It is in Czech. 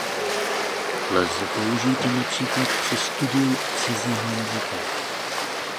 Lze použít například při studiu cizího jazyka.